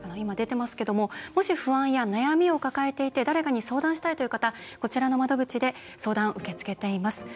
もし不安や悩みを抱えていて誰かに相談したいという方こちらの窓口で相談を受け付けています。